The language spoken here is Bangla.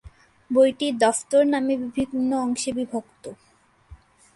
বইটি "দফতর" নামে বিভিন্ন অংশে বিভক্ত।